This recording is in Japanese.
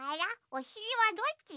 おしりはどっち？